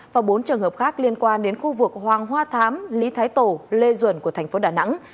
và bốn trường hợp khác liên quan đến khu vực hoàng hoa thám lý thái tổ lê duẩn của thành phố đà nẵng